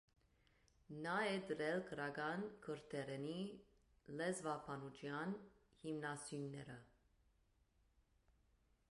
Նա է դրել գրական քրդերենի լեզվաբանության հիմնասյունները։